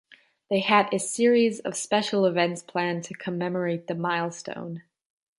They had a series of special events planned to commemorate the milestone.